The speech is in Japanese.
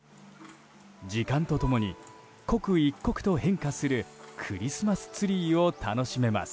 時間と共に刻一刻と変化するクリスマスツリーを楽しめます。